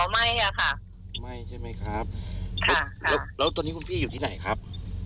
ไม่อ่ะค่ะไม่ใช่ไหมครับแล้วแล้วตอนนี้คุณพี่อยู่ที่ไหนครับ